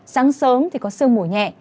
sáng sớm thì có sương mùi nhẹ